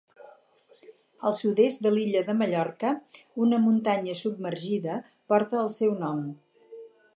Al sud-est de l'illa de Mallorca una muntanya submergida porta el seu nom.